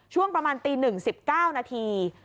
ช่วงประมาณตี๑๑๙นาที